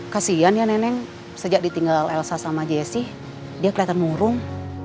kasian ya neneng sejak ditinggal elsa sama jessi dia kelihatan murung